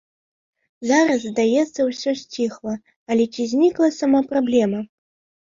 Зараз, здаецца, усё сціхла, але ці знікла сама праблема?